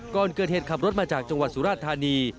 ก่อนเกิดเหตุขับรถมาจากจังหวัดสุราชธานี